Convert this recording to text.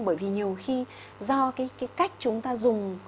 bởi vì nhiều khi do cái cách chúng ta dùng